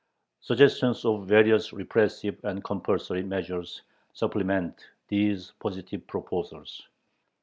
Suggestions of various repressive and compulsory measures supplement these positive proposals.